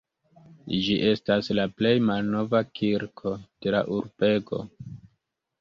Ĝi estas la plej malnova kirko de la urbego.